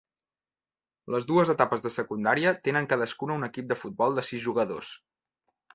Les dues etapes de secundària tenen cadascuna un equip de futbol de sis jugadors.